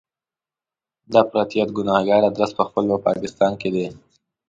د افراطیت ګنهګار ادرس په خپله په پاکستان کې دی.